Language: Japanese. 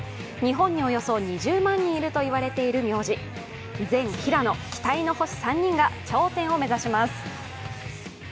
日本におよそ２０万人いるといわれている名字、全平野、期待の星３人が挑戦を目指します。